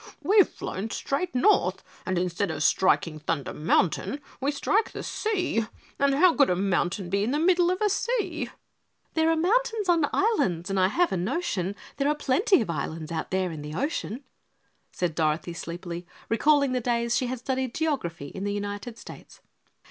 "We've flown straight north and instead of striking Thunder Mountain, we strike the sea, and how could a mountain be in the middle of the sea?" "There are mountains on islands and I have a notion There are plenty of islands out there in the ocean," said Dorothy sleepily, recalling the days she had studied geography in the United States.